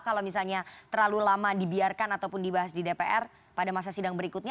kalau misalnya terlalu lama dibiarkan ataupun dibahas di dpr pada masa sidang berikutnya